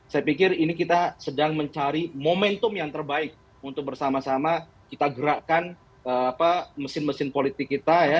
saya pikir ini kita sedang mencari momentum yang terbaik untuk bersama sama kita gerakkan mesin mesin politik kita ya